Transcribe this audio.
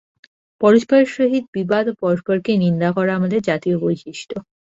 পরস্পরের সহিত বিবাদ ও পরস্পরকে নিন্দা করা আমাদের জাতীয় বৈশিষ্ট্য।